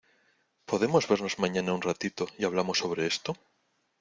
¿podemos vernos mañana un ratito y hablamos sobre esto?